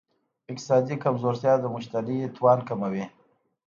اقتصادي کمزورتیا د مشتري توان کموي.